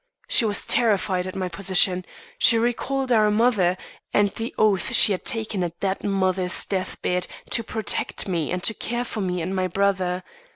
She was terrified at my position. She recalled our mother, and the oath she had taken at that mother's death bed to protect me and care for me and my brother.